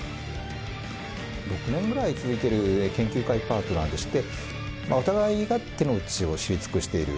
６年ぐらい続いてる研究会パートナーでして、お互いが手の内を知り尽くしている。